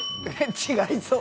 違いそう。